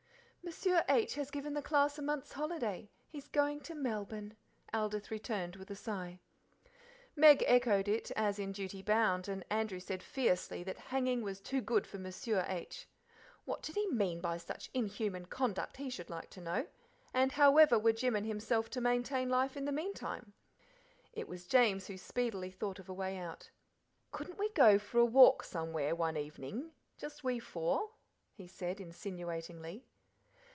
"Monsieur H has given the class a month's holiday. He is going to Melbourne," Aldith returned, with a sigh. Meg echoed it as in duty bound, and Andrew said fiercely that hanging was too good for Monsieur H . What did he mean by such inhuman conduct, he should like to know; and however were Jim and himself to maintain life in the meantime? "It was James who speedily thought of a way out." "Couldn't we go for a walk somewhere one evening just we four?" he said insinuatingly.